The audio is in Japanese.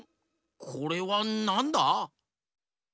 これはなんだ？